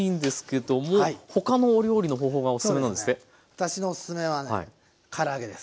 私のおすすめはねから揚げです。